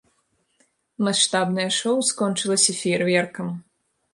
Маштабнае шоу скончылася феерверкам.